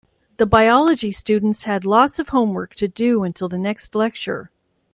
The biology students had lots of homework to do until the next lecture.